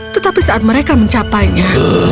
tetapi saat mereka mencapainya